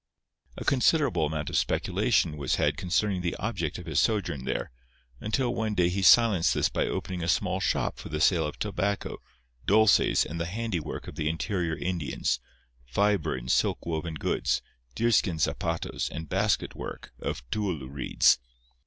A considerable amount of speculation was had concerning the object of his sojourn there, until one day he silenced this by opening a small shop for the sale of tobacco, dulces and the handiwork of the interior Indians—fibre and silk woven goods, deerskin zapatos and basketwork of tule reeds.